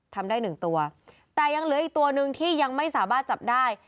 ทำได้หนึ่งตัวแต่ยังเหลืออีกตัวหนึ่งที่ยังไม่สามารถจับได้